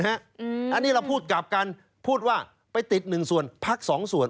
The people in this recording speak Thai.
อันนี้เราพูดกลับกันพูดว่าไปติดหนึ่งส่วนพักสองส่วน